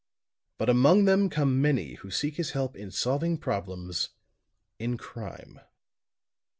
But among them come many who seek his help in solving problems in crime.